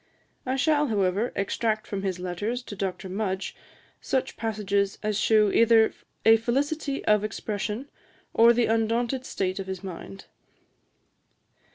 I shall, however, extract from his letters to Dr. Mudge such passages as shew either a felicity of expression, or the undaunted state of his mind.